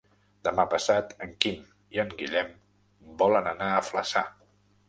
Demà passat en Quim i en Guillem volen anar a Flaçà.